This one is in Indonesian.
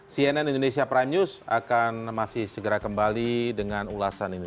cnn indonesia prime news akan masih segera kembali dengan ulasan ini